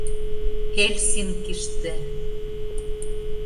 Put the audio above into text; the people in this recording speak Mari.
Хельсинкиште.